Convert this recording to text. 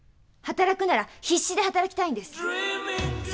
働くなら必死で働きたいんです！